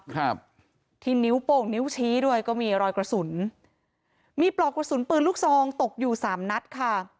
ครับที่นิ้วโป้งนิ้วชี้ด้วยก็มีรอยกระสุนมีปลอกกระสุนปืนลูกซองตกอยู่สามนัดค่ะ